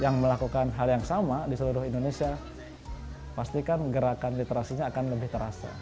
yang melakukan hal yang sama di seluruh indonesia pastikan gerakan literasinya akan lebih terasa